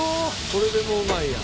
「これでもううまいやん」